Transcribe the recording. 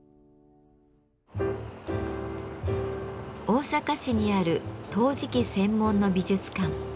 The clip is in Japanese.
大阪市にある陶磁器専門の美術館。